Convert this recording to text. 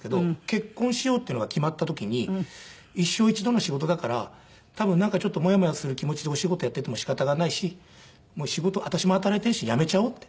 結婚しようっていうのが決まった時に「一生一度の仕事だから多分なんかちょっとモヤモヤする気持ちでお仕事やっていても仕方がないし私も働いているし辞めちゃおう」って。